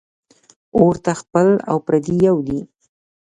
اور ته خپل او پردي یو دي